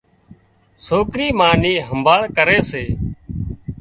سوڪري ما نِي همڀاۯ ڪري سي